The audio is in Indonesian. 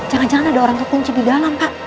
jangan jangan ada orang kekunci di dalam pak